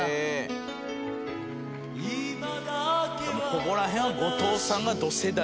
ここら辺は後藤さんがど世代。